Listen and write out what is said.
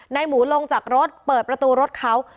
หมูลงจากรถเปิดประตูรถเขา